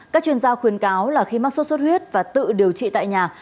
các chuyên gia khuyên cáo là khi mắc sốt xuất huyết và tự điều trị tại nhà